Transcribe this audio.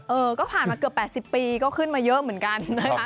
เออก็ผ่านมาเกือบ๘๐ปีก็ขึ้นมาเยอะเหมือนกันนะคะ